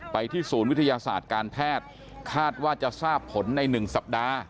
ที่ศูนย์วิทยาศาสตร์การแพทย์คาดว่าจะทราบผลใน๑สัปดาห์